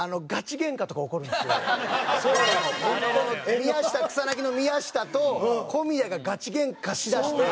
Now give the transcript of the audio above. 宮下草薙の宮下と小宮がガチゲンカしだして。